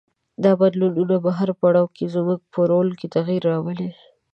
دا بدلونونه په هر پړاو کې زموږ په رول کې تغیر راولي.